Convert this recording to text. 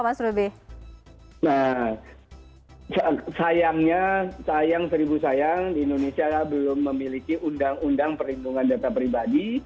nah sayangnya sayang seribu sayang di indonesia belum memiliki undang undang perlindungan data pribadi